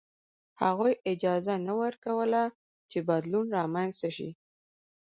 هغوی اجازه نه ورکوله چې بدلون رامنځته شي.